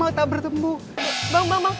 aduh aduh aduh udah udah udah